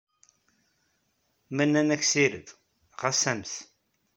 Ma nnan-ak ssired, xas ames.